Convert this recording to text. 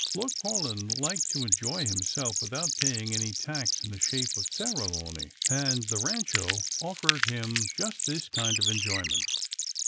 Lord Paulyn liked to enjoy himself without pajang any tax in the shape of ceremony, and the Rancho offered him just this kind of enjoyment.